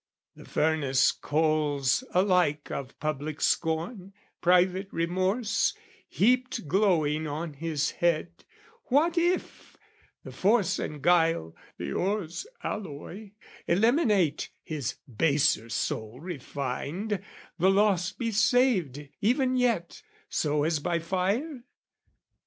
The furnace coals alike of public scorn, Private remorse, heaped glowing on his head, What if, the force and guile, the ore's alloy, Eliminate, his baser soul refined The lost be saved even yet, so as by fire?